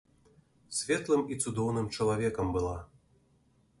Светлым і цудоўным чалавекам была.